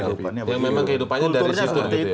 kehidupannya apa gitu